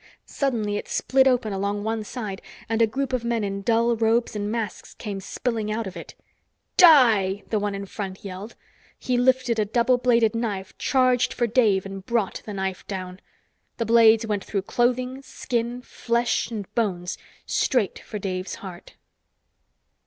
Suddenly it split open along one side and a group of men in dull robes and masks came spilling out of it. "Die!" the one in front yelled. He lifted a double bladed knife, charged for Dave, and brought the knife down. The blades went through clothing, skin, flesh and bones, straight for Dave's heart.